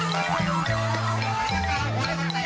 วิ่งผิดตา